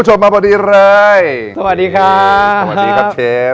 สวัสดีครับเชฟ